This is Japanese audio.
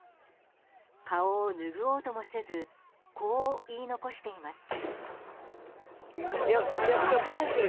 顔を拭おうともせずこう言い残しています。